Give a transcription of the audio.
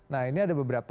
nah ini ada beberapa